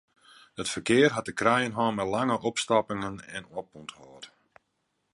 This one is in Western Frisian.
It ferkear hat te krijen hân mei lange opstoppingen en opûnthâld.